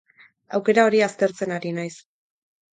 Aukera hori aztertzen ari naiz.